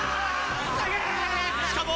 しかも。